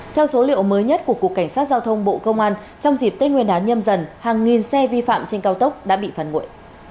theo số liệu mới nhất của cục cảnh sát giao thông bộ công an trong dịp tết nguyên đán nhâm dần hàng nghìn xe vi phạm trên cao tốc đã bị phản nguội